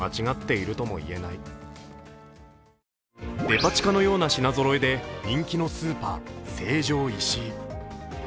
デパ地下のような品ぞろえで人気のスーパー、成城石井。